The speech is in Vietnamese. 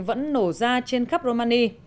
vẫn nổ ra trên khắp romani